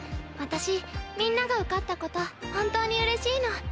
私みんなが受かったこと本当にうれしいの。